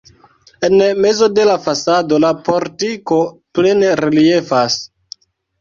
En mezo de la fasado la portiko plene reliefas.